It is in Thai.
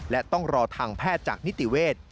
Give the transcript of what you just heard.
และต้องรอทางแพทย์จากนิติเวทย์